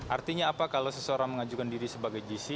artinya apa kalau seseorang mengajukan diri sebagai gc